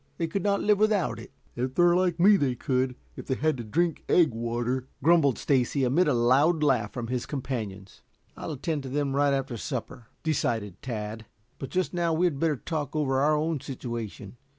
They could not live without it." "If they're like me they could if they had to drink egg water," grumbled Stacy amid a loud laugh from his companions. "I'll attend to them right after supper," decided Tad. "But just now we had better talk over our own situation.